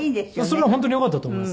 それは本当によかったと思います。